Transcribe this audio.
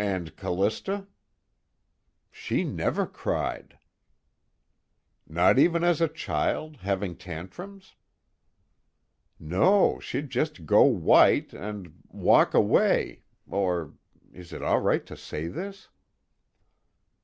"And Callista?" "She never cried." "Not even as a child, having tantrums?" "No, she'd just go white and walk away, or is it all right to say this?"